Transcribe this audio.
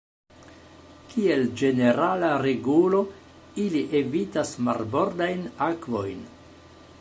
Kiel ĝenerala regulo, ili evitas marbordajn akvojn.